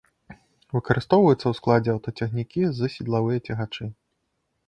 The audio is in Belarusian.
Выкарыстоўваецца ў складзе аўтацягнікі з седлавыя цягачы.